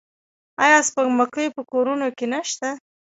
آیا سپوږمکۍ په کورونو کې نشته؟